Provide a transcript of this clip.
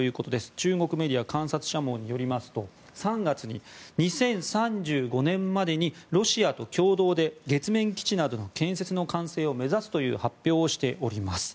中国メディア観察者網によりますと３月に２０３５年までにロシアと共同で月面基地などの建設完成を目指すという発表をしております。